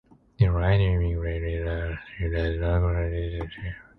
This right to immigrate did not and still does not grant citizenship.